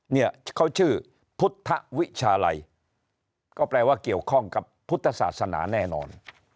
เนี่ยเขาชื่อพุทธวิชาลัยก็แปลว่าเกี่ยวข้องกับพุทธศาสนาแน่นอน